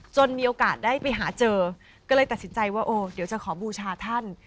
มีโอกาสได้ไปหาเจอก็เลยตัดสินใจว่าโอ้เดี๋ยวจะขอบูชาท่าน